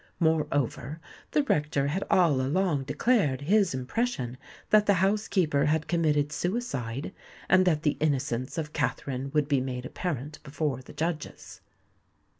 Moreover, the rector had all along declared his impression that the housekeeper had committed suicide, and that the innocence of Katherine would be made apparent before the judges.